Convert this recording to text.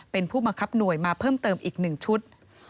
เป็นผู้บังคับหน่วยมาเพิ่มเติมอีก๑ชุด